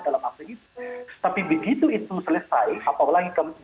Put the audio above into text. dalam hal itu tapi begitu itu selesai apalagi kalau